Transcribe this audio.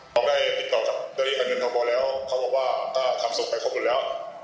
ต้องได้ติดต่อกับเจอรี่การเงินเขาพอแล้วเขาก็บอกว่าถ้าทำส่งไปครบหมดแล้ว